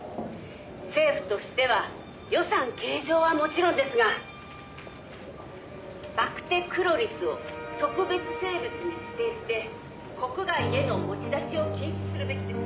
「政府としては予算計上はもちろんですがバクテクロリスを特別生物に指定して国外への持ち出しを禁止するべきです」